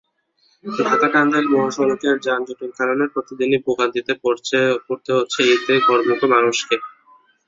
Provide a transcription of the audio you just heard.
ঢাকা-টাঙ্গাইল মহাসড়কের যানজটের কারণে প্রতিদিনই ভোগান্তিতে পড়তে হচ্ছে ঈদে ঘরমুখো মানুষকে।